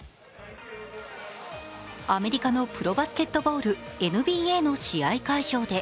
アメリカのプロバスケットボールＮＢＡの試合会場で。